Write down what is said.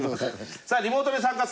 さあリモートで参加